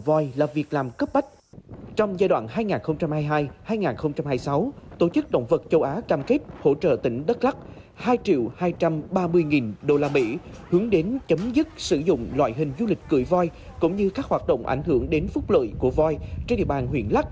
voi là biểu tượng văn hóa của vùng đất tây nguyên